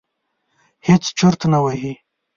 هېڅ چرت نه وهي.